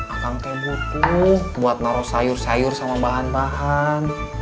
akang teh butuh buat naro sayur sayur sama bahan bahan